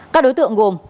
các đối tượng gồm